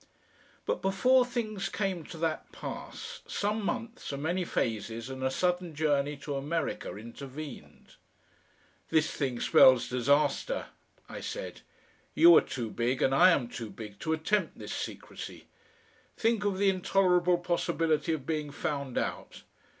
5 But before things came to that pass, some months and many phases and a sudden journey to America intervened. "This thing spells disaster," I said. "You are too big and I am too big to attempt this secrecy. Think of the intolerable possibility of being found out!